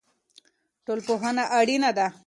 ټولنپوهنه اړینه ده.